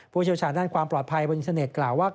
เชี่ยวชาญด้านความปลอดภัยบนอินเทอร์เน็ตกล่าวว่า